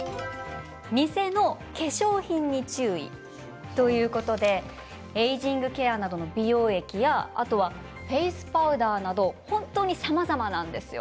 偽の化粧品に注意ということでエージングケアなどの美容液やフェースパウダーなど本当にさまざまなんですよ。